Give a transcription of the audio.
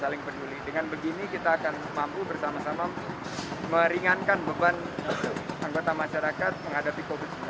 dengan begini kita akan mampu bersama sama meringankan beban anggota masyarakat menghadapi